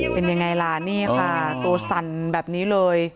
เป็นยังไงล่ะนี่ค่ะตัวสั่นแบบนี้เลย